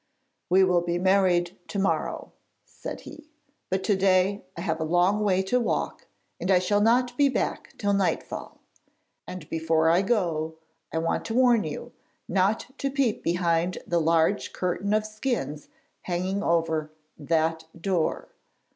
'We will be married to morrow,' said he, 'but to day I have a long way to walk, and I shall not be back till nightfall. And before I go, I want to warn you not to peep behind the large curtain of skins hanging over that door.